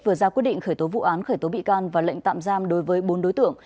vừa ra quyết định khởi tố vụ án khởi tố bị can và lệnh tạm giam đối với bốn đối tượng